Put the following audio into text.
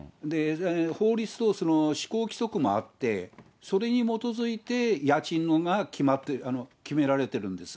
法律と施行規則もあって、それに基づいて家賃が決められてるんです。